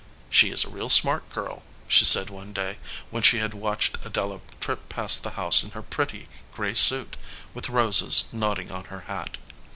"She is a real smart girl," she said one day when she had watched Adela trip past the house in her pretty gray suit, with roses nodding on her hat.